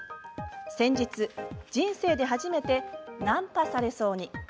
先日、人生で初めてナンパされそうに。